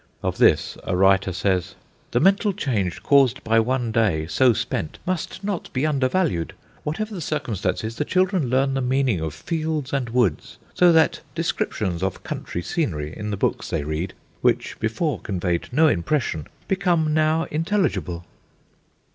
Of this, a writer says: "The mental change caused by one day so spent must not be undervalued. Whatever the circumstances, the children learn the meaning of fields and woods, so that descriptions of country scenery in the books they read, which before conveyed no impression, become now intelligible."